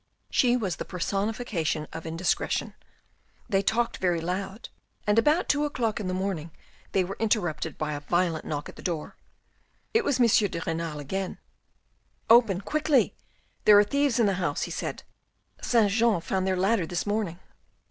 She was the personification of indiscretion. They talked very loud and about two o'clock in the morning they were interrupted by a violent knock at the door. It was M. de Renal again. " Open quickly, there are thieves in the house !" he said. " Saint Jean found their ladder this morning."